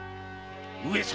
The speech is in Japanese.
上様。